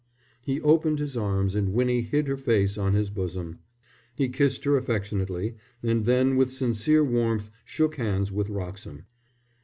He opened his arms and Winnie hid her face on his bosom. He kissed her affectionately, and then with sincere warmth shook hands with Wroxham.